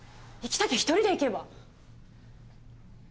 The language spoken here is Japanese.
行きたきゃ１人で行けば？